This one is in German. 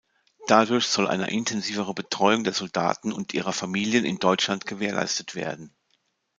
Dadurch soll eine intensivere Betreuung der Soldaten und ihrer Familien in Deutschland gewährleistet werden.